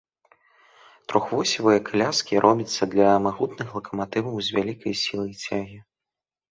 Трохвосевыя каляскі робяцца для магутных лакаматываў з вялікай сілай цягі.